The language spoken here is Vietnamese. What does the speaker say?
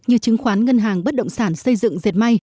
như chứng khoán ngân hàng bất động sản xây dựng diệt may